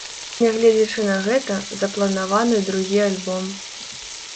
Нягледзячы на гэта, запланаваны другі альбом.